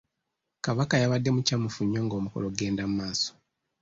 Kabaka yabadde mukyamufu nnyo ng'omukolo gugenda mu maaso .